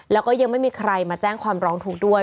แล้วก็ยังไม่มีใครมาแจ้งความร้องทุกข์ด้วย